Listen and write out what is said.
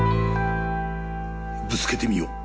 ぶつけてみよう。